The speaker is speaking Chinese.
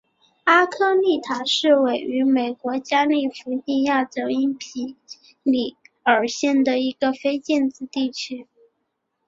阿科利塔是位于美国加利福尼亚州因皮里尔县的一个非建制地区。